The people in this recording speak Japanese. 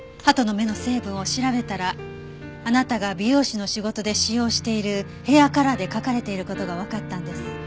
鳩の目の成分を調べたらあなたが美容師の仕事で使用しているヘアカラーで描かれている事がわかったんです。